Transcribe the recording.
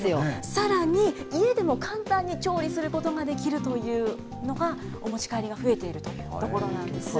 さらに、家でも簡単に調理することができるというのが、お持ち帰りが増えているところなんです。